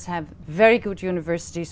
là trung tâm lotus